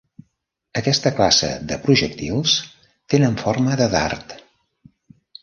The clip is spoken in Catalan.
Aquesta classe de projectils tenen forma de dard.